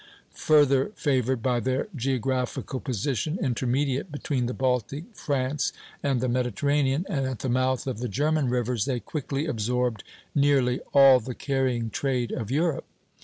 Further favored by their geographical position, intermediate between the Baltic, France, and the Mediterranean, and at the mouth of the German rivers, they quickly absorbed nearly all the carrying trade of Europe.